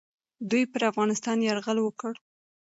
دوی پر افغانستان یرغل وکړ.